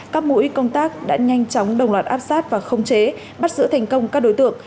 các mũi công tác đã nhanh chóng đồng loạt áp sát và khống chế bắt giữ thành công các đối tượng